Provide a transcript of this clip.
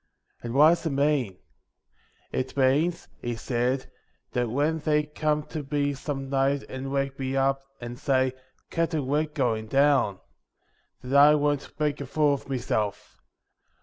' 1 And what does that mean ?' 'It means,' he said, 'that when they come to me some night and wake me up, and say, "Captain, we're going down," that I won't make a fool o' meself.